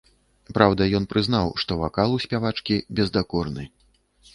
Праўда, ён прызнаў, што вакал у спявачкі бездакорны.